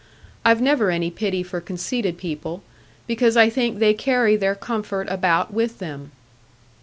I've never any pity for conceited people, because I think they carry their comfort about with them."